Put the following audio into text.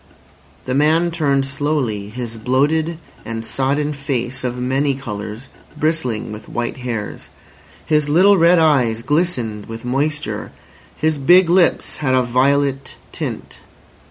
The man turned slowly his bloated and sodden face of many colours bristling with white hairs. His little red eyes glistened with moisture. His big lips had a violet tint.